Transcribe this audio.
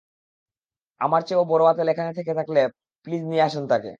আমার চেয়েও বড় আঁতেল এখানে থাকলে প্লিজ নিয়ে আসুন তাকে!